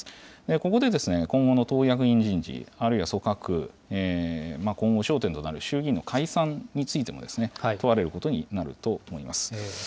ここで、今後の党役員人事、あるいは組閣、今後、焦点となる衆議院の解散についても、問われることになると思います。